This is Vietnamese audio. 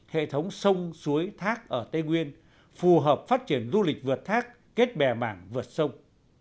hệ thống sông suối thác ở tây nguyên phù hợp phát triển du lịch vượt thác kết bè mảng vượt sông